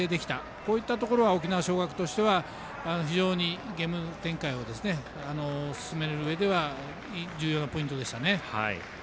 こういったところは沖縄尚学としては非常にゲーム展開を進めるうえでは重要なポイントでしたね。